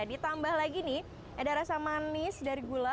ditambah lagi nih ada rasa manis dari gula